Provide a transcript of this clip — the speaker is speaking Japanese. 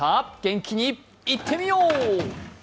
元気にいってみよう。